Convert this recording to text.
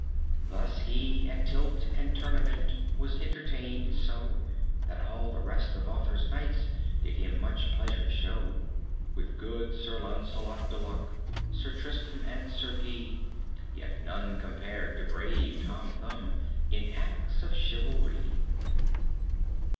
Thus he at tilt and tournament Was entertained so, That all the rest of Arthur's knights Did him much pleasure show. With good Sir Launcelot du Lake, Sir Tristram and Sir Guy, Yet none compared to brave Tom Thumb In acts of chivalry.